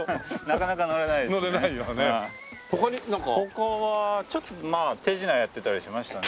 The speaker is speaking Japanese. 他はちょっとまあ手品やってたりしましたね。